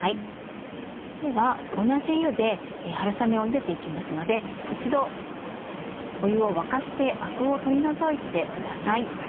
では同じ湯で春雨をゆでて行きますので一度湯を沸かしてアクを取り除いてください。